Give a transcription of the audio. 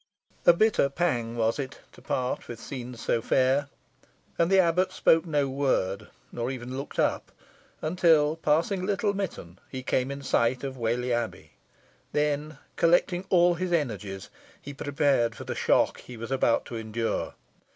A bitter pang was it to part with scenes so fair, and the abbot spoke no word, nor even looked up, until, passing Little Mitton, he came in sight of Whalley Abbey. Then, collecting all his energies, he prepared for the shock he was about to endure.